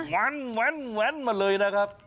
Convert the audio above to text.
หวานมาเลยนะครับ